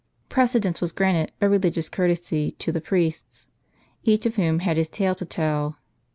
Precedence was granted, by religious courtesy, to the priests; each of whom had his tale to tell.